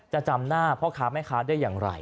จำหน้าพ่อค้าแม่ค้าได้อย่างไร